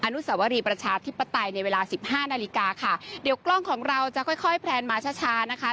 อนุสวรีประชาธิปไตยในเวลาสิบห้านาฬิกาค่ะเดี๋ยวกล้องของเราจะค่อยค่อยแพลนมาช้าช้านะคะ